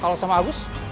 kalau sama agus